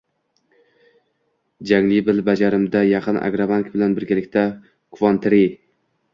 🎄Jangi jil ʙajramida yaqin Agroʙank Bilan ʙirgalikda quvontire📲